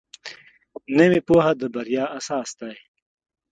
نوې پوهه د بریا اساس دی